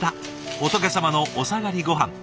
仏様のお下がりごはん。